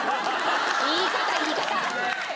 言い方言い方！